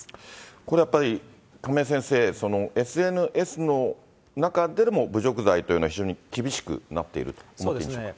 これやっぱり、亀井先生、ＳＮＳの中ででも侮辱罪というのは非常に厳しくなっているということでしょうか。